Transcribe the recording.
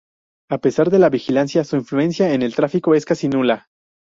A pesar de la vigilancia, su influencia en el tráfico es casi nula.